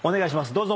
どうぞ！